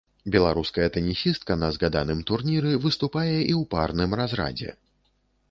Беларуская тэнісістка на згаданым турніры выступае і ў парным разрадзе.